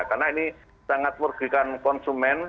karena ini sangat merugikan konsumen